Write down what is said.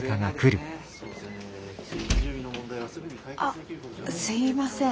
あすいません